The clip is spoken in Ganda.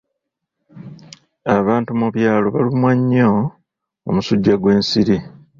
Abantu mu byalo balumwa nnyo omusujja gw'ensiri.